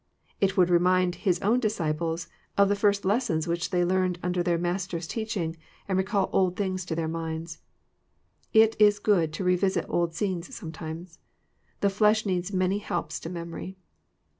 It would remind His own disciples of the first lessons which they learned under their Master's teaching, and recall old things to their minds. It is good to revisit old scenes sometimes. The flesh needs many helps to memory.